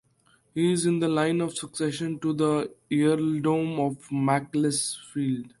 He is in the line of succession to the Earldom of Macclesfield.